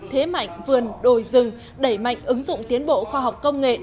thế mạnh vườn đồi rừng đẩy mạnh ứng dụng tiến bộ khoa học công nghệ